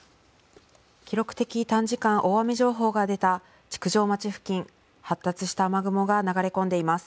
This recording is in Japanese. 記録的短時間大雨情報が出た築上町付近、発達した雨雲が流れ込んでいます。